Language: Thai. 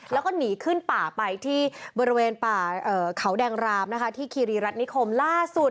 แล้วก็หนีขึ้นป่าไปที่บริเวณป่าเขาแดงรามนะคะที่คีรีรัฐนิคมล่าสุด